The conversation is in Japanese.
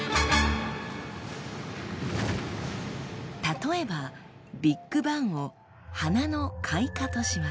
例えばビッグバンを花の開花とします。